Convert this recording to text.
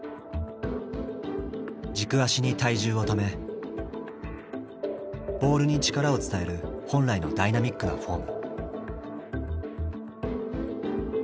軸足に体重をためボールに力を伝える本来のダイナミックなフォーム。